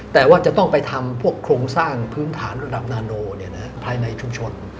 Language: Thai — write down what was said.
แต่ว่าจะต้องไปทำพวกโครงสร้างพื้นฐานระดับนาโนภายในชุมชน